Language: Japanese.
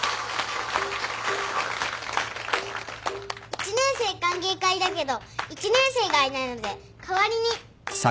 一年生歓迎会だけど１年生がいないので代わりに。